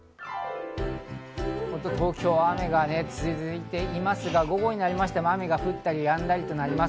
東京は雨が続いていますが、午後になりましても雨が降ったり止んだりとなります。